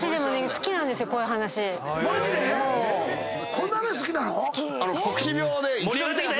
こんな話好きなの⁉好き！